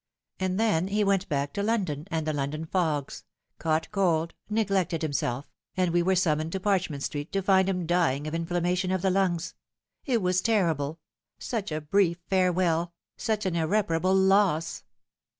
And then he went back to London, and the London fogs caught cold, neglected himself, and we were summoned to Parchment Street to find him dying of inflamma tion of the lungs. It was terrible such a brief farewell, such an irreparable loss."